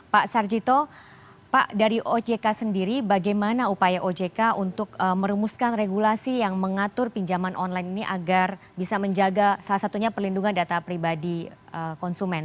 pak sarjito pak dari ojk sendiri bagaimana upaya ojk untuk merumuskan regulasi yang mengatur pinjaman online ini agar bisa menjaga salah satunya perlindungan data pribadi konsumen